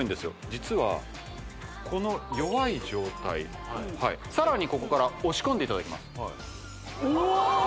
実はこの弱い状態はいさらにここから押し込んでいただきますおおー！